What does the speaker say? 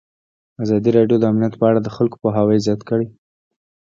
ازادي راډیو د امنیت په اړه د خلکو پوهاوی زیات کړی.